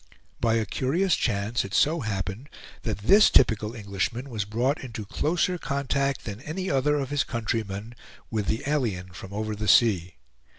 By a curious chance it so happened that this typical Englishman was brought into closer contact than any other of his countrymen with the alien from over the sea.